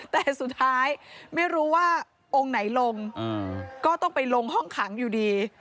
แต่สุดท้ายไม่รู้ว่าองค์ไหนลงก็ต้องไปลงห้องขังอยู่ดี